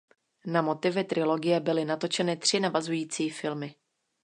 Na motivy trilogie byly natočeny tři navazující filmy.